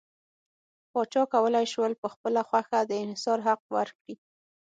پاچا کولای شول په خپله خوښه د انحصار حق ورکړي.